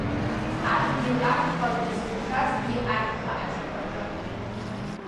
Адгьыл акәхап изыхшазгьы, ашьха ашьапаҿы.